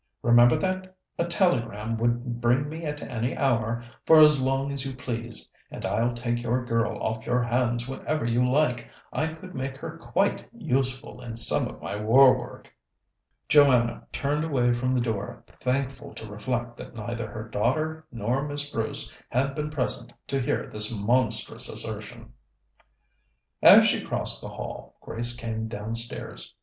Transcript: Remember that a telegram would bring me at any hour, for as long as you please, and I'll take your girl off your hands whenever you like. I could make her quite useful in some of my war work." Joanna turned away from the door, thankful to reflect that neither her daughter nor Miss Bruce had been present to hear this monstrous assertion. As she crossed the hall, Grace came downstairs.